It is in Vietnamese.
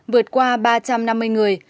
vượt qua ba trăm năm mươi người